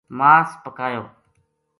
مااس پکایو